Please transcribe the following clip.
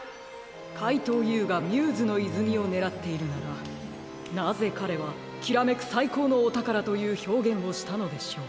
かいとうＵがミューズのいずみをねらっているならなぜかれは「きらめくさいこうのおたから」というひょうげんをしたのでしょう？